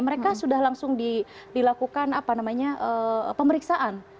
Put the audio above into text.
mereka sudah langsung dilakukan pemeriksaan